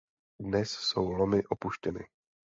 Dnes jsou lomy opuštěny.